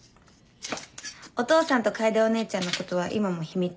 お父さんと楓お姉ちゃんのことは今も秘密？